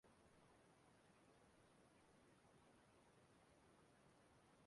Ọ bụzị ya ka e ji eme ihe niile